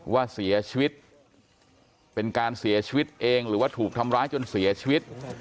ว่าเสียชีวิตเป็นการเสียชีวิตเองหรือว่าถูกทำร้ายจนเสียชีวิต